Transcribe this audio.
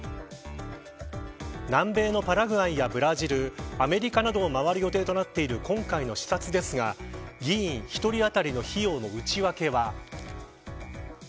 南米のパラグアイやブラジルアメリカなどを回る予定となっている今回の視察ですが議員１人当たりの費用の内訳は。